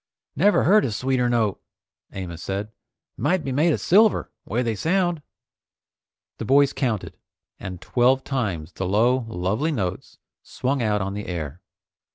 "Never heard a sweeter note," Amos said. "Might be made of silver, 'way they sound." The boys counted, and twelve times the low, lovely notes swung out on the air.